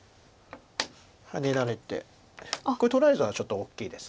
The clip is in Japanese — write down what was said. ハネられてこれ取られたらちょっと大きいです。